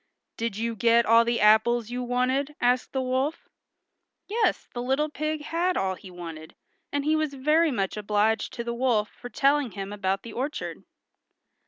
"Did you get all the apples you wanted?" asked the wolf. Yes, the little pig had all he wanted, and he was very much obliged to the wolf for telling him about the orchard.